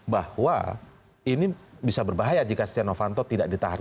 bahwa ini bisa berbahaya jika setiano panto tidak ditahan